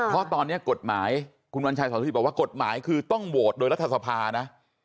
เพราะตอนนี้กฎหมายคุณวัญชัยสอนธิบอกว่ากฎหมายคือต้องโหวตโดยรัฐสภานะ